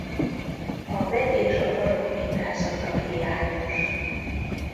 A begy és a farok mintázata hiányos.